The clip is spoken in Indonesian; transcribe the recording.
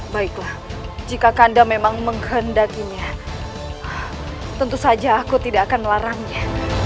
baiklah jika anda memang menghendakinya tentu saja aku tidak akan melarangnya